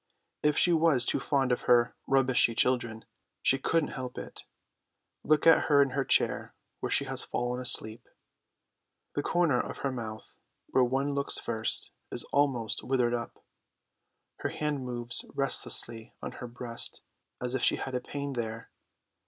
If she was too fond of her rubbishy children, she couldn't help it. Look at her in her chair, where she has fallen asleep. The corner of her mouth, where one looks first, is almost withered up. Her hand moves restlessly on her breast as if she had a pain there.